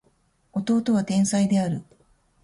弟は天才である